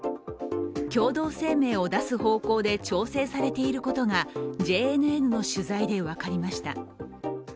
共同声明を出す方向で調整されていることがＪＮＮの取材で分かりました。